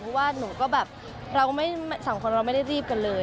เพราะว่าหนูก็แบบเราสองคนเราไม่ได้รีบกันเลย